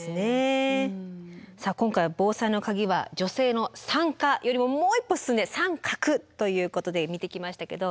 さあ今回は「防災」のカギは女性の参加よりももう一歩進んで参画ということで見てきましたけど。